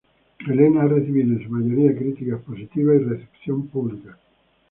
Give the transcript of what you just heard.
Helena ha recibido en su mayoría críticas positivas y recepción pública.